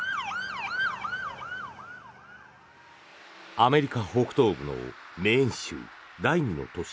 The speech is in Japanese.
アメリカ北東部のメーン州第２の都市